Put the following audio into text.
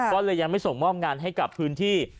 ก็เลยยังไม่ส่งมอบงานให้กับพื้นที่